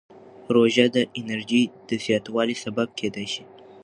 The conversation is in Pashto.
روژه د انرژۍ د زیاتوالي سبب کېدای شي.